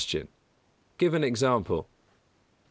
Give an example? A.